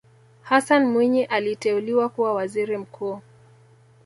hassan mwinyi aliteuliwa kuwa waziri mkuu